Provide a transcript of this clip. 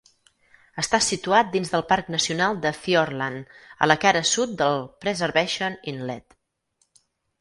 Està situat dins del Parc Nacional de Fiordland, a la cara sud del Preservation Inlet.